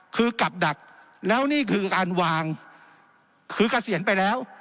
คือกลับดักแล้วนี่คือการวางคือเกษียณไปแล้ว